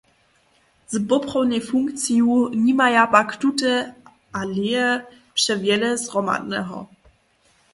Z poprawnej funkciju nimaja pak tute aleje přewjele zhromadneho.